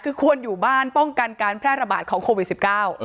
คือควรอยู่บ้านป้องกันการแพร่ระบาดของโควิดสิบเก้า